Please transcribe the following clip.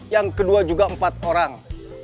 yang kedua juga empat orang